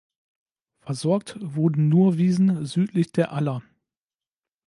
Versorgt wurden nur Wiesen südlich der Aller.